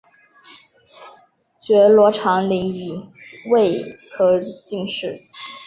觉罗长麟乙未科进士。